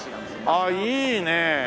あっいいね。